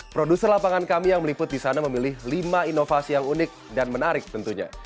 produser lapangan kami yang meliput di sana memilih lima inovasi yang unik dan menarik tentunya